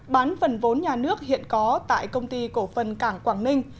bán phần vốn nhà nước hiện có tại công ty cổ phần cảng quảng ninh